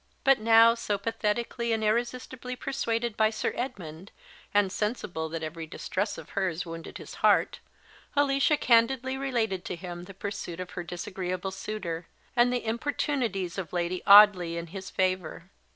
But now so pathetically and irresistibly persuaded by Sir Edmund, and sensible that every distress of hers wounded his heart, Alicia candidly related to him the pursuit of her disagreeable suitor, and the importunities of Lady Audley in his favour.